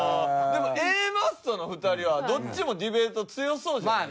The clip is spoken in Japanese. でもＡマッソの２人はどっちもディベート強そうじゃないですか？